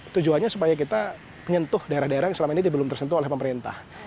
tujuannya supaya kita menyentuh daerah daerah yang selama ini belum tersentuh oleh pemerintah